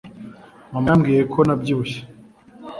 mama yambwiye ko nabyibushye